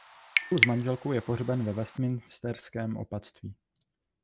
Spolu s manželkou je pohřben ve Westminsterském opatství.